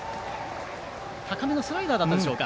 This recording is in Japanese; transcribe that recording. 高めのスライダーだったでしょうか。